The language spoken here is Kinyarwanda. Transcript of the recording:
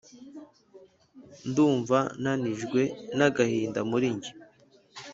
Ndumva nanijwe nagahinda muri njye